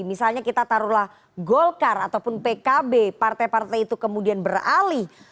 misalnya kita taruhlah golkar ataupun pkb partai partai itu kemudian beralih